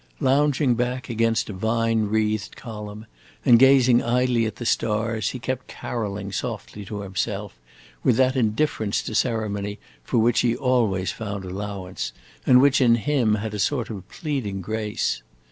Lounging back against a vine wreathed column and gazing idly at the stars, he kept caroling softly to himself with that indifference to ceremony for which he always found allowance, and which in him had a sort of pleading grace.